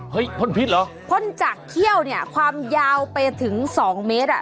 พ่นพิษเหรอพ่นจากเขี้ยวเนี่ยความยาวไปถึงสองเมตรอ่ะ